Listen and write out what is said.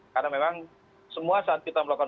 karena memang semua saat kita melakukan